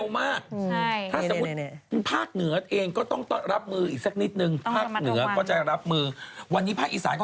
มันต้องมาเร็วมาก